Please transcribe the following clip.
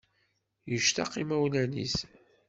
Yectaq imawlan-is.